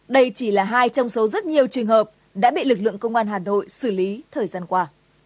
đây chỉ là hai trong số rất nhiều trường hợp đã bị lực lượng công an hà nội xử lý thời gian qua